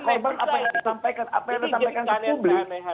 apa yang disampaikan ke publik